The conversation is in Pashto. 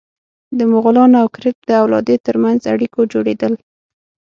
د مغولانو او کرت د اولادې تر منځ اړیکو جوړېدل.